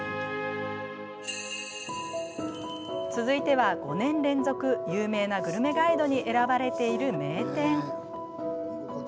続いては５年連続有名なグルメガイドに選ばれている名店。